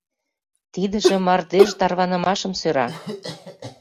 Тидыже мардеж тарванымашым сӧра.